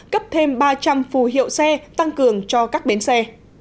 cấp thêm ba trăm linh phù hiệu xe tăng cường cho các bến xe